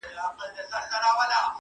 د ژوند ښکلا په مثبت فکر کې نغښتې ده.